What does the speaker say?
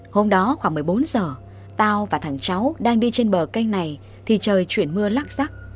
hôm đó khoảng một mươi bốn giờ tao và thẳng cháu đang đi trên bờ canh này thì trời chuyển mưa lác rắc